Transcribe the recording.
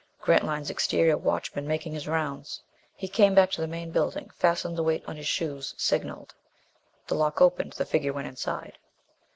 Grantline's exterior watchman making his rounds. He came back to the main building. Fastened the weights on his shoes. Signaled. The lock opened. The figure went inside.